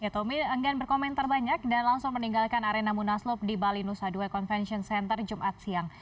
tommy enggan berkomentar banyak dan langsung meninggalkan arena munaslup di bali nusa dua convention center jumat siang